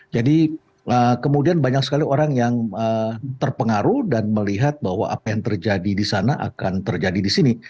jadi kemudian banyak sekali orang yang terpengaruh dan melihat bahwa apa yang terjadi di sana akan terjadi di sini